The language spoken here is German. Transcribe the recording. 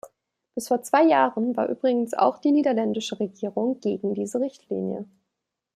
Bis vor zwei Jahren war übrigens auch die niederländische Regierung gegen diese Richtlinie.